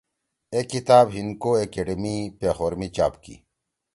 اے کتاب ہندکو ایکیڈیمی پیخور می چاپ کی۔